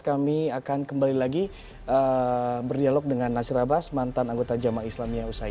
kami akan kembali lagi berdialog dengan nasir abbas mantan anggota jamaah islamiyah usai